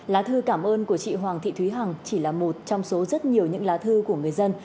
lá thư cảm ơn của chị hoàng thị thúy hằng chỉ là một trong số rất nhiều những lá thư của người dân